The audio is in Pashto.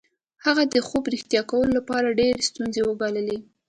هغه د خوب رښتیا کولو لپاره ډېرې ستونزې وګاللې